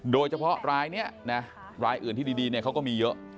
โดยเฉพาะรายนี้นะรายอื่นที่ดีเขาก็มีเยอะ